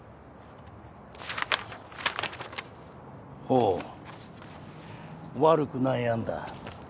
ほう悪くない案だ。